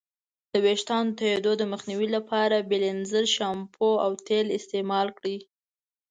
د ویښتانو د توییدو د مخنیوي لپاره بیلینزر شامپو او تیل استعمال کړئ.